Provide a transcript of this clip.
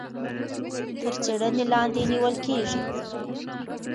تر څيړنې لاندي نيول کېږي.